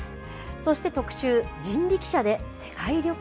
そして特集、人力車で世界旅行。